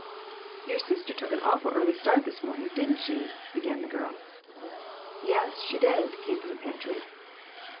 "Your sister took an awful early start this mornin', didn't she ?" began the girl. "Yes, she did," came from the pantry.